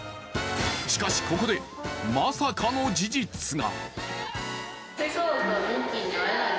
しかしここで、まさかの事実が！